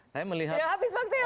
sudah habis waktunya